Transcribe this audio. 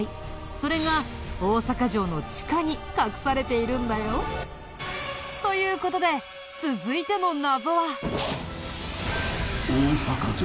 それが大阪城の地下に隠されているんだよ。という事で続いての謎は。